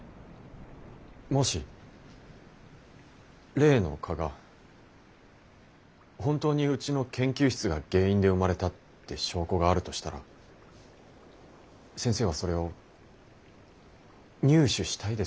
もし例の蚊が本当にうちの研究室が原因で生まれたって証拠があるとしたら先生はそれを入手したいですか？